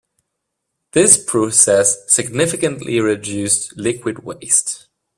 This process significantly reduced liquid waste.